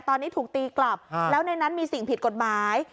ตอนนี้ถูกตีกลับแล้วในนั้นมีสิ่งผิดกฎหมาย